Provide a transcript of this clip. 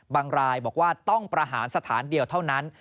บางรายบอกว่าต้องประหารสถานเดียวเท่านั้น